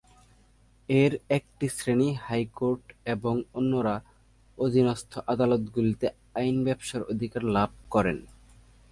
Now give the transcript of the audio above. এর একটি শ্রেণি হাইকোর্ট এবং অন্যরা অধীনস্থ আদালতগুলিতে আইন ব্যবসার অধিকার লাভ করেন।